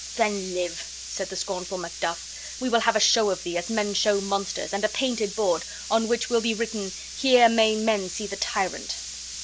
"Then live!" said the scornful Macduff. "We will have a show of thee, as men show monsters, and a painted board, on which all be written, 'Here men may see the tyrant!